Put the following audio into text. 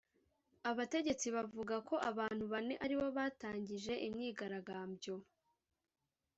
Abategetsi bavuga ko abantu bane aribo batangije imyigaragambyo